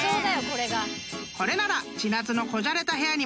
［これなら］